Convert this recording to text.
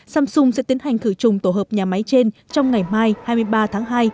samsung sẽ tiến hành thử trùng tổ hợp nhà máy trên trong ngày mai hai mươi ba tháng hai